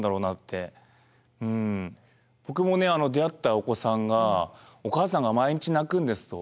出会ったお子さんが「お母さんが毎日泣くんです」と。